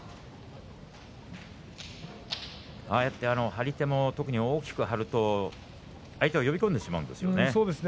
張り手も大きく張ると相手を呼び込んでしまうんですよね。